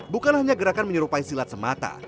bukan hanya gerakan menyerupai silat semata